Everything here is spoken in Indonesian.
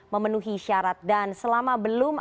memenuhi syarat dan selama belum